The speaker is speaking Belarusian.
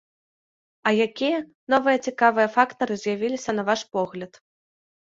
А якія новыя цікавыя фактары з'явіліся, на ваш погляд?